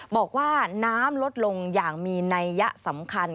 บอกว่าน้ำลดลงอย่างมีนัยยะสำคัญ